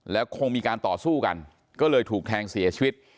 แล้วคงมีการต่อสู้กันก็เลยถูกแทงเสียชีวิต